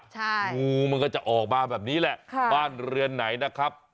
งูมันก็จะออกมาแบบนี้แหละบ้านเรือนไหนนะครับ